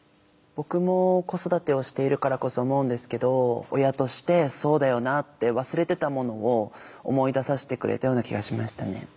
僕も子育てをしているからこそ思うんですけど親としてそうだよなって忘れてたものを思い出させてくれたような気がしましたね。